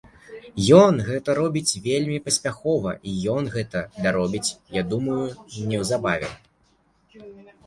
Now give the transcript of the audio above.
Ён гэта робіць вельмі паспяхова, і ён гэта даробіць, я думаю, неўзабаве.